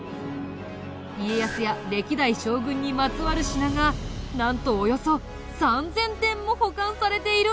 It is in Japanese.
家康や歴代将軍にまつわる品がなんとおよそ３０００点も保管されているんだ。